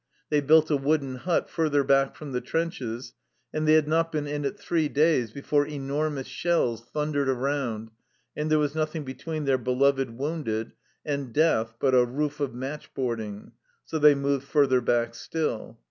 They built a wooden hut further back from the trenches, and they had not been in it three days before enormous shells thundered around, and there was nothing between their beloved wounded and death but a roof of match boarding, so they moved further back still.